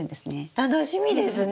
楽しみですね！